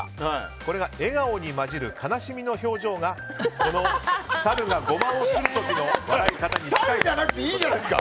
これが笑顔に混じる悲しみの表情が猿がゴマをする時の猿じゃなくていいじゃないですか。